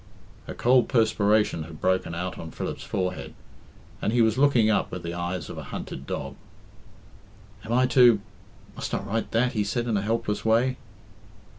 A cold perspiration had broken out on Philip's forehead, and he was looking up with the eyes of a hunted dog. "Am I to must I write that?" he said in a helpless way.